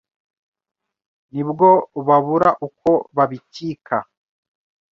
nibwo babura uko babikika